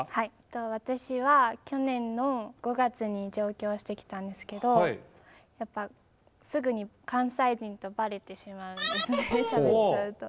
私は去年の５月に上京してきたんですけどやっぱすぐに関西人とバレてしまうんですねしゃべっちゃうと。